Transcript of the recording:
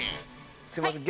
すいません。